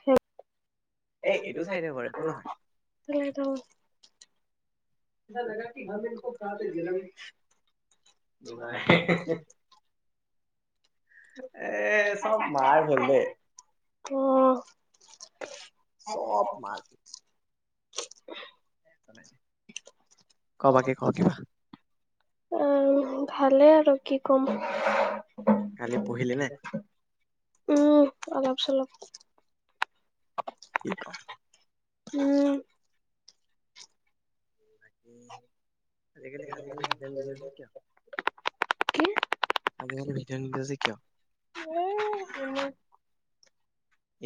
[unintelligible] এই এইটো চাইডে বাৰু একো নহয় সেটো চাইড [unintelligible] [unintelligible] এ, চব মাৰ গ'ল দেই অ'। [unintelligible] কবাকে ক কিবা? আহ, ভালে আৰু কি ক'ম? কালি পঢ়িলিনে? উম, অলপ চলপ। [unintelligible] উম। উম, আজিকালি আজিকালি ভিডিঅ' নিদিয় যে কিয়? কি আজিকালি ভিডিঅ' নিদিয় যে কিয়? এ, এনেই।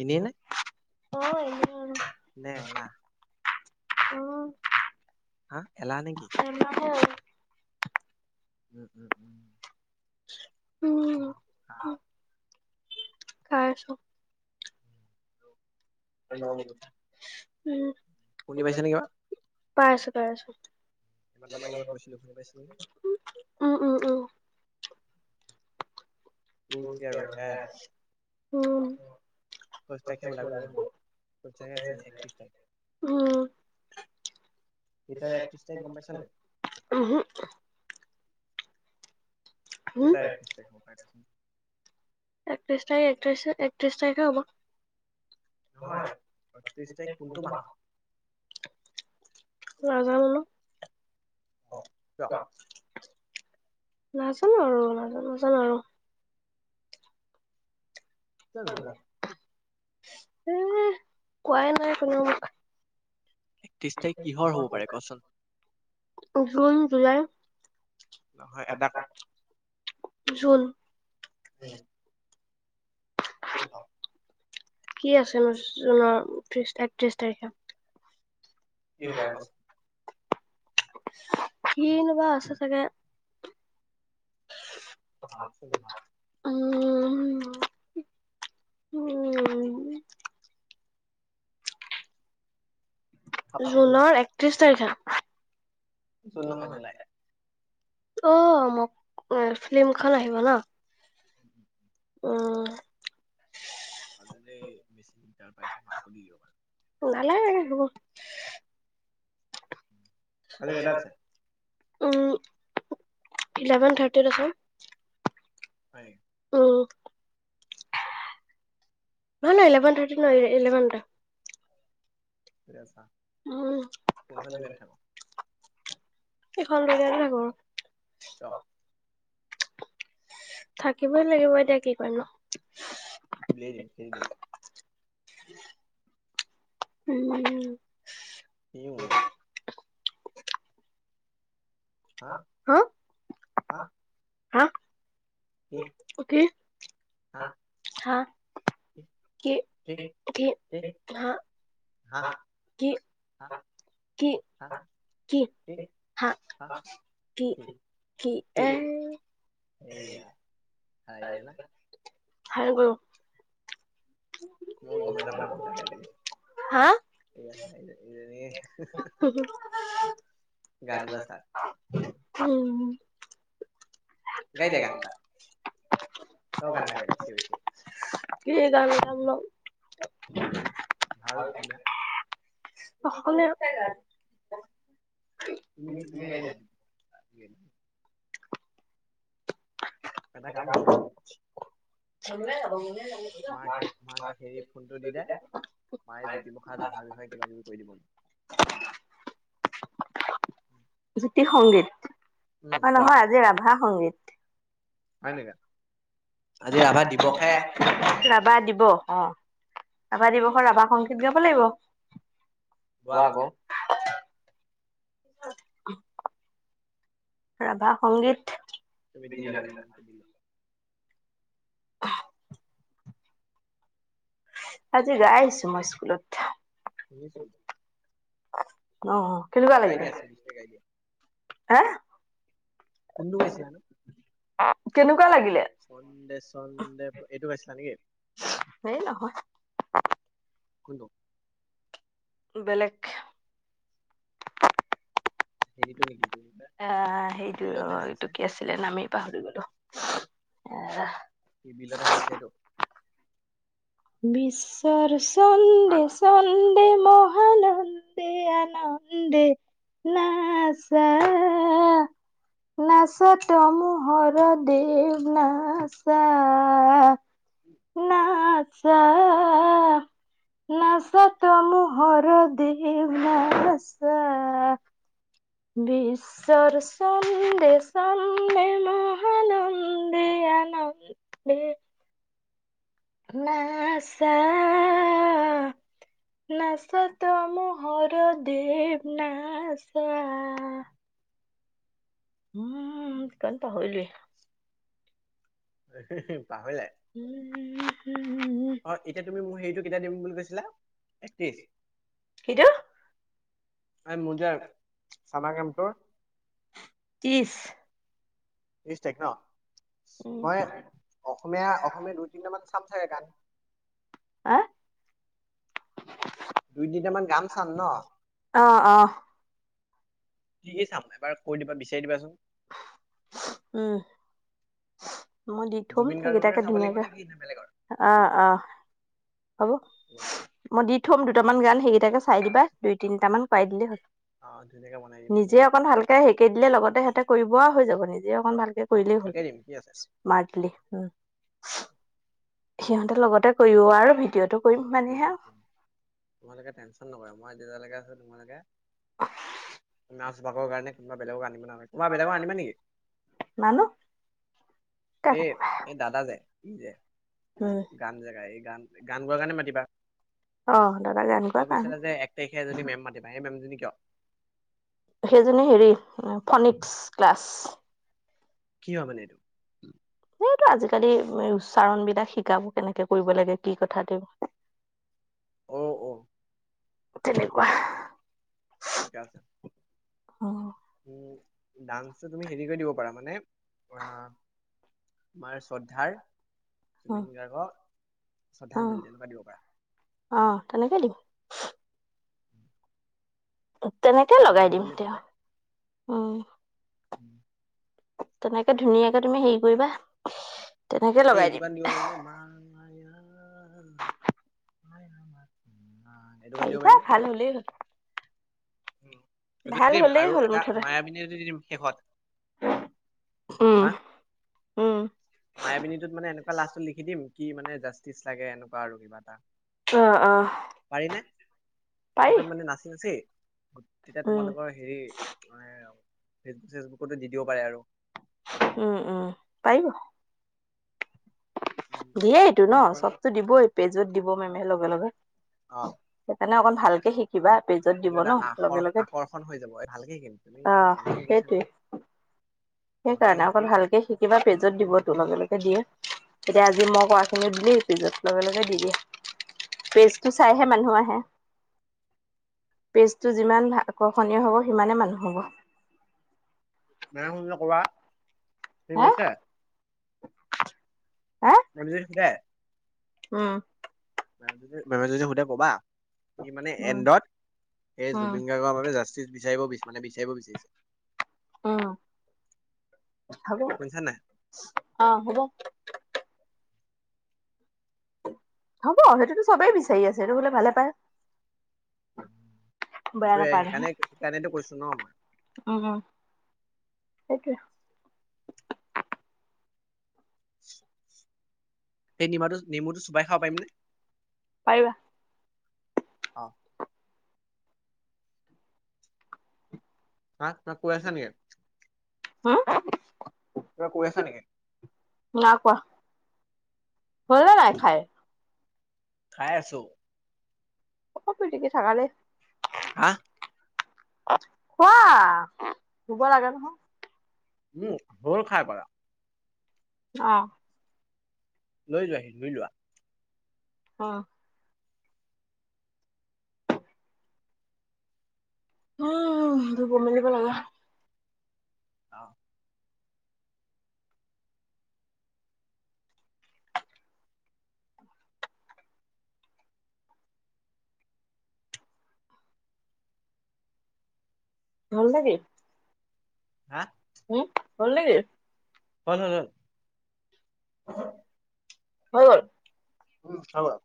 এনেই নে এনে আৰু দে এলা [unintelligible] হা এলাহ নেকি? এলাহেই আৰু। উম উম উম। উম। [unintelligible] কা আছোঁ। [unintelligible] উম শুনি পাইছা নে কিবা [unintelligible] পাই আছোঁ পাই আছোঁ। এইমাত্ৰ মই কিবা কৈছিলো শুনি পাইছিলি নে উম উম উম। [unintelligible] উম। একৈশ তাৰিখে ওলাবি মোৰ লগত একৈশ তাৰিখে চৰি একত্ৰিশ [unintelligible] তাৰিখ উম। [unintelligible] একত্ৰিচ তাইখ গম পাইছা নাই? ওহোঁ। যে উম তাই একত্ৰিচ তাইখ [unintelligible] একত্ৰিছ তাৰি একত্ৰিছ একত্ৰিছ তাৰিখে হ'ব। নহয় আ, ত্ৰিছ তাৰিখ কোনটো মাহৰ? [unintelligible] নাজানো কিয় আৰু নাজানো [unintelligible] আৰু। কিয় নাজানো [unintelligible] এ, কোৱাই নাই কোনেও মোক একত্ৰিছ তাৰিখ কিহৰ হ'ব পাৰে কচোন? June July. তই নহয় এটা ক নাজান? জুন [unintelligible] শুদ্ধ কি আছেনো জুনৰ ত্ৰিচ তাৰিখ একত্ৰিচ তাৰিখে? কি হ পাৰে কচোন? কিনোবা আছে চাগে! ভাবচোন ভাব। [inaudible] উম, উম। ভাবচোন জুনৰ একত্ৰিশ তাৰিখে! জুন নহয় জুলাই। অ মোক এ ফিল্মখন আহিব ন? [inaudible] উম। [unintelligible] [unintelligible] আজি কেইটাত আছে? [unintelligible] উম, ইলেভেন থাৰ্টিত আছে। হয় নি উম, নহয়- নহয় ইলেভেন থাৰ্টিত নহয় ইলেভেনতে। [unintelligible] উম। কোনখন দোকান থাকক এইখন [unintelligible] থাকোঁ। ন। থাকিবই লাগিব, এতিয়া কি কৰিম আও। [unintelligible] [unintelligible] উম্। [unintelligible] হা? হা হা কি কি? হা? হা? [unintelligible] কি কি হা হা কি হা। কি? হা কি? হা? কি? কি এৰ এইয়া [unintelligible] খায় গৰু মই গমেই নাপালোঁ কেতিয়া খায় দিলি। হা। এইয়া [unintelligible] গান গোৱা চাৰ উম হুম, গায় দে গান এটা। তয়ো গান এটা গাই দে চিয়ঁৰি চিয়ঁৰি। কি গান গামনো? ভাল অসমীয়া। অসমীয়া [unintelligible] তুমি তুমি গাই দিয়া জুবিন [inaudible] এটা কাম কৰোঁ। মাক মাক হেৰি ফোনটো দি দিয়া [unintelligible] মায়ে জ্যোতিপ্ৰসাদ ৰাভাৰ বিষয়ে কিবা কিবি কৈ দিব। [inaudible] জ্যোতি সংগীত, উম অ কোৱা নহয় আজি ৰাভা সংগীত। হয় নেকা? ৰাভা দিৱস হে, ৰাভা দিৱস অ'। ৰাভা দিৱসৰ ৰাভা সংগীত গাব লাগিব, গোৱা আকৌ। [unintelligible] ৰাভা সংগীত তুমি যি জানিলা তাকে [unintelligible] অহ আজি গাই আহিছো মই স্কুলত। শুনিছোঁ। অ', অ', কেনেকুৱা গাই লাগিলে, দিয়া চিৰিয়াছলি গাই দিয়া হা কোনটো গাইছিলানো, কেনেকুৱা লাগিলে ছন্দে ছন্দে এইটো গাইছিলা নে কি? সেই নহয়। কোনটো? বেলেগ। আ হেৰিটো নেকি এইটো কি কয় হেৰিটো বিলতে অ', হালিছে এইটো কি আছ লে নামেই পাহৰি গ'লো, এ কি বিলতে হালিছে, এইটো। বিশ্বৰ হা ছন্দে ছন্দে মহান দে আনন্দে নাছা নাচা তমো হৰদেৱ নাচা। নাচা নাচা তমো হৰদেৱ নাচা। বিছ চৰ চন্দে ছন্দে মহানন্দে আনন বে নাছা নাচ তমো হৰদেৱ নাচা। উম সিকন পাহৰিলোৱে। হে হে পাহৰিলাই। উম অ', এতিয়া তুমি মোৰ হেৰিটো কেতিয়া দিম বুলি কৈছিলা, একত্ৰিশ। কিটো? এই মোৰজে চামাৰ কেম্পটোৰ। ত্ৰিছ। ত্ৰিশ তাৰিখ ন, উম মই অসমীয়া অসমীয়া দুই তিনিটামান চাম ছাগে গান। আ দুই তিনটা মান গান চাম ন। অ', অ'। কি কি চাম, এবাৰ কৈ দিবা বিচাৰি দিবাচোন। উম। মই দি থম, জুবিন গাৰ্গকে সেইকেইটাকে চাব লাগিব ধুনীয়াকে নে কি নে বেলেগৰ অ', অ', হ'ব। হব দিয়া। মই দি থম দুটামান গান সেইকেইটাকে চাই দিবা, দুই তিনিট মান চাই দিলে হ'ল। অ ধুনীয়াকে বনাই দিম তুমি নিজে অকন ভালকে হেৰী কৰি দিলে লগতে সিহঁতে কৰিব আও হৈ যাব, নিজে অকন ভাল অ কৰিলেই হ'ল শিকাই দিম কি আছে স্মাৰ্টলি সিহঁতে লগতে কৰিব আৰু ভিডিঅ'টো কৰিম মানেহে তোমালোকে টেনচন নকৰে মই যেতিয়ালৈকে আছো তোমালোকে নাচ ভাগৰ কাৰণে কোনবা বেলেগক আনিব নালাগে কোনবা বেলেগক আনিব নেকি? নানো এ এই দাদা যে- ই যে- উম গান যে গায় এই গান গান গোৱাৰ কাৰণে মাতিবা। অ দাদা জানে আৰু কৈছিলে যে -এক তাৰিখে এজনী মেম মাতিম সেই মেমজনী কিয়? সেইজনী হেৰি ফনিক্স ক্লাছ কি হয় মানে এইটো সেইটোআজিকালি উচ্চাৰণ বিলাক শিকাব কেনেকে কৰিব কি কথা তেওঁ অ- অ- তেনেকুৱা ঠিকে আছে। অ, - ডান্সটো তুমি হেৰি কৰি দিব পাৰা মানে আ আমাৰ শ্ৰদ্ধাৰ অ জুবিন গাৰ্গক শ্ৰদ্ধাঞ্জলি তেনেকুৱা দিব পাৰা। অঁ', তেনেকেই দিও। তেনেকেই লগাই দিম শ্ৰদ্ধাঞ্জলি তেওঁ ভাৱে উম, [inaudible] তেনেকে ধুনীয়াকে তুমি হেৰি কৰিবা তেনেকে এই লগাই দিম কাৰণ দিব পাৰিম নে? মায় -মায়া মায়া, মায়া মাথোঁ মায়া। এইটো গান দিব পাৰিবা পাৰিম ভাল হলেই হ'ল। উম, সেইটো ভাল দিম হলেই আৰু হ'ল এটা মুঠতে মায়াবিনীয়ে ৰাতি দি দিও শেষত উম, হা -উম, - মায়াবিনীটোত মানে এনেকুৱা লাষ্টত লিখি দিম কি মানে? জাষ্টিছ লাগে এনেকুৱা আৰু কিবা এটা। অ', -অ', পাৰি নে? পাৰি শেষত মানে নাচি- নাচি তেতিয়া উম তোমালোকৰ হেৰি মানে ফেচবুক- চেচবুকতো দি দিব পাৰে আৰু ভাল হয়। উম, -উম, পাৰিব। উম দিয়েই এইটো কোন ন- কোন চবতো দিবই পেজত দিব মেমে লগে-লগে। অ', সেইকাৰে অকণ ভালকে শিকি কিবা পেজত এইটো দিব এটা ন-' আখৰ লগে-লগে আকৰ্ষণ হৈ যাব এই ভালকে শিকিম তুমি অ, তুমি টেনচন কৰিছা সেইটোৱে। নেকি মজাই সেইকাৰণে অকন শিকিম ভালকে শিকি কিবা পেজত দিবতো লগে-লগে দিয়ে তেতিয়া আজি মই কৰা খিনিও দিলি পেজত লগে-লগে দি উম দিয়ে। পেজটো চাই হে মানুহ আহে। পেজটো যিমান ভাল- আকৰ্ষণীয় হ'ব সিমানে মানুহ হ'ব। বেয়া শুনিলে কবা থিক হা হৈছে? হা [unintelligible] উম, মেমে যদি সুধে- কবা সি মানে উম এণ্ডত সেই উম জুবিন গাৰ্গৰ বাবে জাষ্ট টিছ বিচাৰিব বিচ মানে বিচাৰিব বিচাৰিছে। উম, হব। শুনিছা নাই অ', হব। হ'ব সেইটোতো চবেই বিচাৰি আছে, সেইটো হলে ভালে পায়। উম, বেয়া সেইটোয়ে সেইকাৰণে সেইকাৰণেতো কৈছো ন' মই। অ, সেইটোৱে। সেই নিমাটো নেমুটো চোবাই খাব পাৰিম নে? পাৰিবা। অ। তাক তাক কৈ আছা নি ইয়াত? হম। কিবা কৈ আছা নেকি? নাই কোৱা। হ'ল নে নাই খাই? খাই আছো। একো পিতিকি থকা নাই। আ। খোৱা, শুব লাগে নহয়। উম, হ'ল খাই পৰা। অ,। লৈ যোৱাহি, ধুই লোৱা। অ। উম' ধুব মেলিব লাগে। অ। হল নে কি? হা? হু, হল নে কি? হল হল হল। হৈ গল। উম' হৈ গল।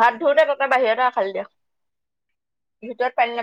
হাত ধোওঁ তে পাপা বাহিৰতে আখালি দিয়ক, ভিতৰত পানী